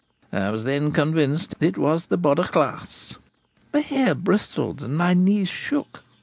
I was then convinced it was the Bodach Glas. My hair bristled and my knees shook.